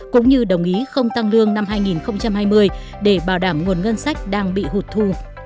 cũng như đồng ý không tăng lương năm hai nghìn hai mươi để bảo đảm nguồn ngân sách đang bị hụt thu